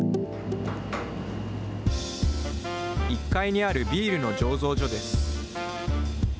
１階にあるビールの醸造所です。